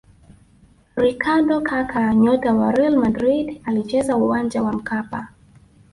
ricardo kaka nyota wa real madrid alicheza uwanja wa mkapa